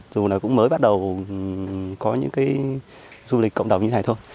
dù là cũng mới bắt đầu có những cái du lịch cộng đồng như thế này thôi